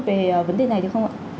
về vấn đề này được không ạ